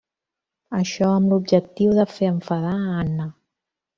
Això amb l'objectiu de fer enfadar Anna.